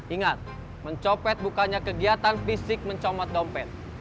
ingat mencopet bukannya kegiatan fisik mencomot dompet